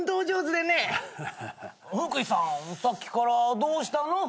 さっきからどうしたの？